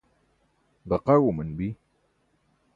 ġaqaẏauman bi